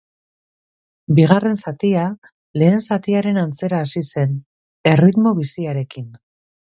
Bigarren zatia, lehen zatiaren antzera hasi zen, erritmo biziarekin.